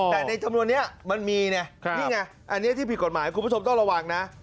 แต่ในจำนวนนี้มันมีไงนี่ไงอันนี้ที่ผิดกฎหมายคุณผู้ชมต้องระวังนะ